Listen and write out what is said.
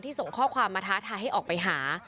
ส่งข้อความมาท้าทายให้ออกไปหา